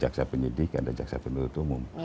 jaksa penyidikan dan jaksa penuntut umum